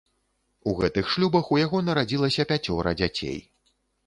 У гэтых шлюбах у яго нарадзілася пяцёра дзяцей.